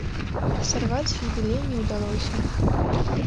Сарваць юбілей не ўдалося.